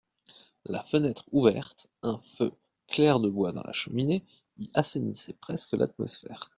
La fenêtre ouverte, un feu clair de bois dans la cheminée, y assainissaient presque l'atmosphère.